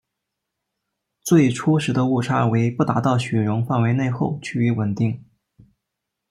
最初时的误差为不达到许容范围内后趋于稳定。